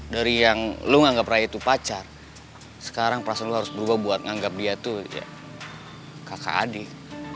dari yang lo menganggap raya itu pacar sekarang perasaan lu harus berubah buat nganggap dia tuh kakak adik